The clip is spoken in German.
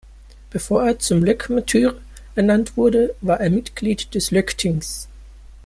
Bevor er zum Løgmaður ernannt wurde, war er Mitglied des Løgtings.